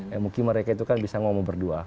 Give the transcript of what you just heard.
ya mungkin mereka itu kan bisa ngomong berdua